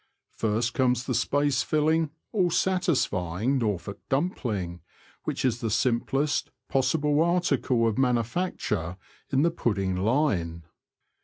First comes the space filling, all satisfying Norfolk dumpling, which is the simplest possible article of manufacture in the pudding line.